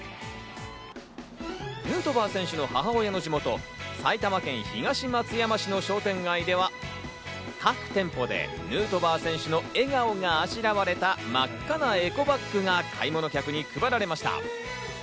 ヌートバー選手の母親の地元・埼玉県東松山市の商店街では、各店舗でヌートバー選手の笑顔があしらわれた真っ赤なエコバッグが買い物客に配られました。